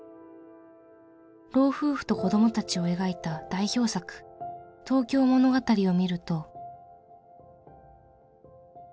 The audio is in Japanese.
老夫婦と子供たちを描いた代表作「東京物語」を見ると。